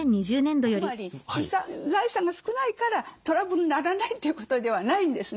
つまり財産が少ないからトラブルにならないということではないんですね。